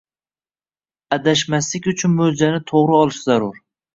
Adashmaslik uchun mo‘ljalni to‘g‘ri olish zarur